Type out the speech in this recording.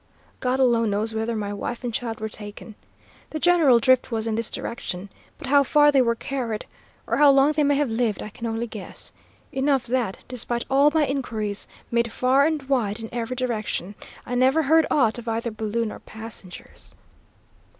"God alone knows whither my wife and child were taken. The general drift was in this direction, but how far they were carried, or how long they may have lived, I can only guess; enough that, despite all my inquiries, made far and wide in every direction, I never heard aught of either balloon or passengers!